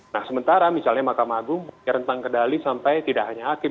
nah sementara misalnya mahkamah agung punya rentang kedali sampai tidak hanya hakim